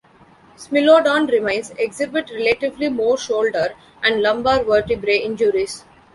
"Smilodon" remains exhibit relatively more shoulder and lumbar vertebrae injuries.